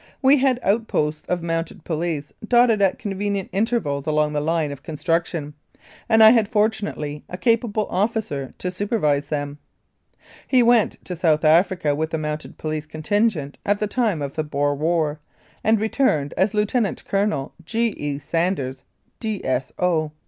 We 'had outposts of Mounted Police dotted at convenient intervals along the line of construction, and I had fortunately a capable officer to supervise them ; he went to South Africa with the Mounted Police contingent at the time of the Boer War, and returned as Lieutenant Colonel G. E. Sanders, D.S.O.